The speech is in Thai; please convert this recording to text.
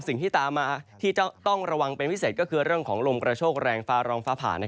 สิ่งที่ตามมาที่ต้องระวังเป็นพิเศษก็คือเรื่องของลมกระโชคแรงฟ้าร้องฟ้าผ่า